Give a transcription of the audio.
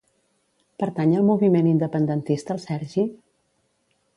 Pertany al moviment independentista el Sergi?